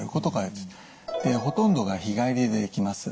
ほとんどが日帰りでできます。